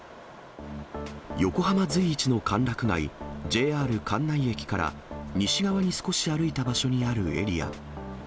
横浜随一の歓楽街、ＪＲ関内駅から西側に少し歩いた場所にあるエリア。